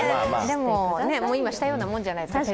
今、したようなもんじゃないですか。